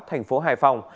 thành phố hải phòng